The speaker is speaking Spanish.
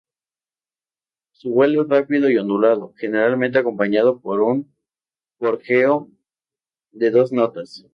Su vuelo es rápido y ondulado, generalmente acompañado por un gorjeo de dos notas.